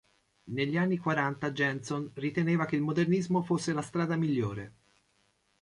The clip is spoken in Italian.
Negli anni quaranta Janson riteneva che il modernismo fosse la strada migliore.